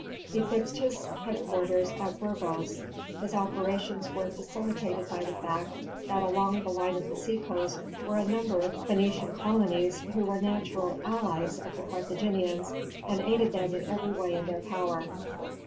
He fixed his headquarters at Burgos. His operations were facilitated by the fact that along the line of the sea coast were a number of Phoenician colonies who were natural allies of the Carthaginians, and aided them in every way in their power.